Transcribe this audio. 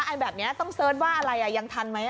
ไอแบบนี้ต้องเสิร์ชว่าอะไรยังทันไหม